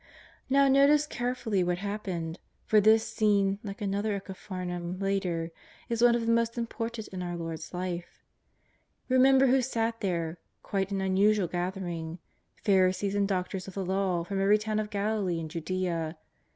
Xow notice carefully what happened, for this scene, like another at Capharnaum later, is one of the most important in our Lord's Life. Remember who sat there, quite an unusual gathering, Pharisees and doc tors of the Law from every town of Galilee and Judea.